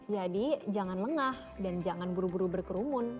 jadi jangan lengah dan jangan buru buru berkerumun